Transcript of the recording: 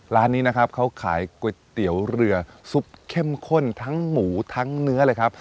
ร้านนี้นะครับเขาขายก๋วยเตี๋ยวเรือซุปเข้มข้นทั้งหมูทั้งเนื้อเลยครับ